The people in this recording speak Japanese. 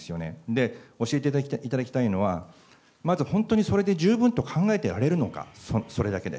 で、教えていただきたいのは、まず本当にそれで十分と考えておられるのか、それだけで。